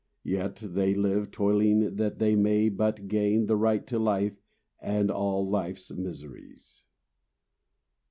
Yet they live toiling that they may but gain The right to life and all life's miseries.